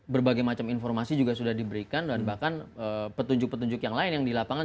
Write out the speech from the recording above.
berbagai macam informasi juga sudah diberikan dan bahkan petunjuk petunjuk yang lain yang di lapangan